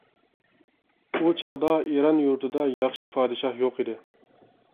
ئۇ چاغدا ئىران يۇرتىدا ياخشى پادىشاھ يوق ئىدى.